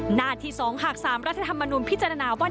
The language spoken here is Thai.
หน้าที่๒หาก๓รัฐธรรมนุนพิจารณาว่า